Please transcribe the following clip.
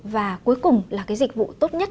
và cuối cùng là cái dịch vụ tốt nhất